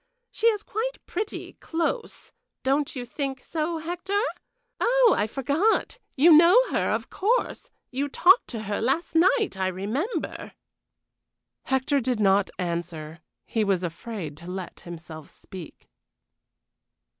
She is quite pretty, close don't you think so, Hector? Oh, I forgot, you know her, of course; you talked to her last night, I remember." Hector did not answer; he was afraid to let himself speak.